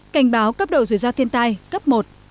cảnh báo cấp độ rủi ro thiên tai cấp một